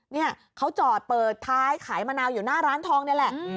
เนี่ยเขาจอดเปิดท้ายขายมะนาวอยู่หน้าร้านทองนี่แหละ